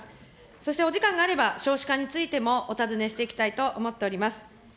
そしてお時間があれば、少子化についてもお尋ねしていきたいと思っております。